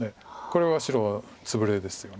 これは白はツブレですよね。